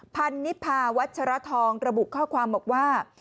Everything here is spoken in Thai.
พันนิพาวัชรทองระบุข้อความบอกว่า